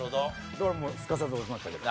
だからすかさず押しましたけど。